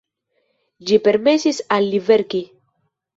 Ĝi permesis al li verki.